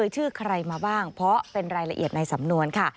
ชื่อใครมาบ้างเพราะเป็นรายละเอียดในสำนวนค่ะ